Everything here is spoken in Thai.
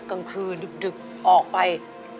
กลางคืนดึกออกไป